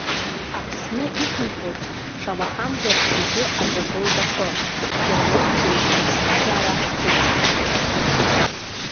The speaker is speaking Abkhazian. Аԥсны иқәынхоз шамахамзар зегьы аҿагылт ахы, ирмеигӡеит рыԥсҭазаара қәыԥшқәа.